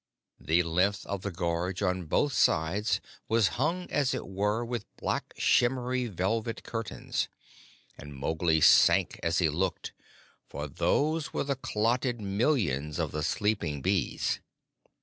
The length of the gorge on both sides was hung as it were with black shimmery velvet curtains, and Mowgli sank as he looked, for those were the clotted millions of the sleeping bees.